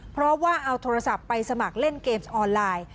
เพราะว่าเอาโทรศัพท์ไปสมัครเล่นเกมส์ออนไลน์